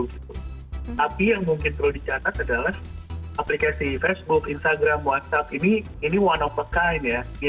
tapi yang mungkin perlu dicatat adalah aplikasi facebook instagram whatsapp ini one of accoin ya